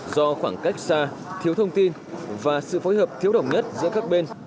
do khoảng cách xa thiếu thông tin và sự phối hợp thiếu đồng nhất giữa các bên